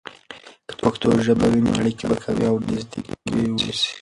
که پښتو ژبه وي، نو اړیکې به قوي او نزدیک اوسي.